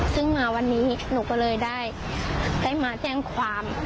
ซึ่งมาวันนี้หนูก็เลยได้มาแจ้งความ